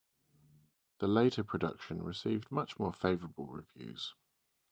The later production received much more favourable reviews.